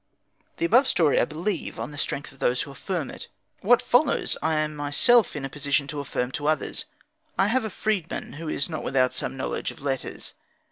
The above story I believe on the strength of those who affirm it. What follows I am myself in a position to affirm to others. I have a freedman, who is not without some knowledge of letters.